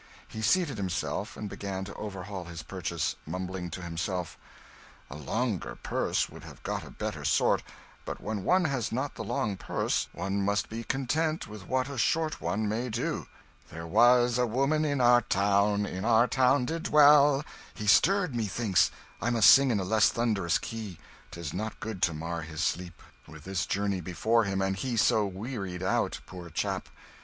He seated himself, and began to overhaul his purchase, mumbling to himself "A longer purse would have got a better sort, but when one has not the long purse one must be content with what a short one may do "'There was a woman in our town, In our town did dwell ' "He stirred, methinks I must sing in a less thunderous key; 'tis not good to mar his sleep, with this journey before him, and he so wearied out, poor chap